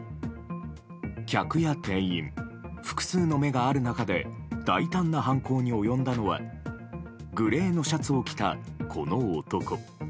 客や店員、複数の目がある中で大胆な犯行に及んだのはグレーのシャツを着た、この男。